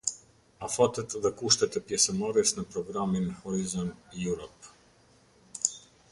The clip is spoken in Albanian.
Afatet dhe kushtet e pjesëmarrjes në Programin Horizon Europe.